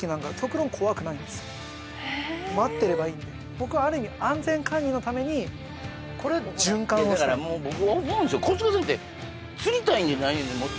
僕はある意味安全管理のためにこれを循環をしたいだからもう僕思うんですよ